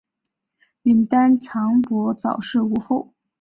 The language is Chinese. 允丹藏卜早逝无后。